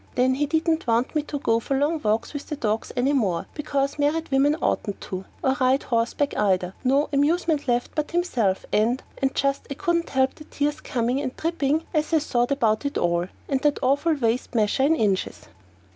Then he didn't want me to go for long walks with the dogs any more, because married women oughtn't to, or ride horseback either no amusement left but himself; and and I just couldn't help the tears coming and dripping as I thought about it all and that awful waist measure in inches.